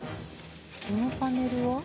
このパネルは？